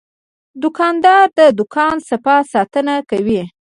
دوکاندار د دوکان صفا ساتنه کوي.